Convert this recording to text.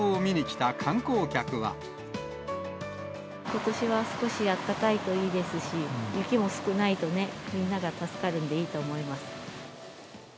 ことしは少しあったかいといいですし、雪も少ないとね、みんなが助かるんで、いいと思い